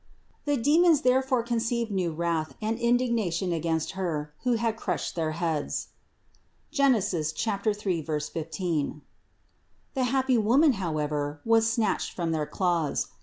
The demons therefore conceived new wrath and indignation against Her, who had crushed their heads (Gen. 3, 15). The happy woman, however, was snatched from their claws.